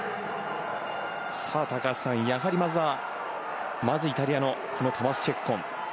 高橋さん、やはりまずはイタリアのトマス・チェッコン。